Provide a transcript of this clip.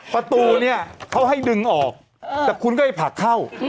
ประตูเนี่ยเขาให้ดึงออกแต่คุณก็ไปผลักเข้า